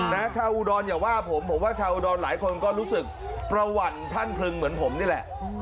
ชาวอุดรอย่าว่าผมผมว่าชาวอุดรหลายคนก็รู้สึกประหวั่นพรั่นพลึงเหมือนผมนี่แหละ